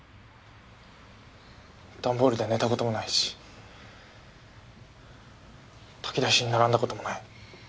段ボールで寝た事もないし炊き出しに並んだ事もない。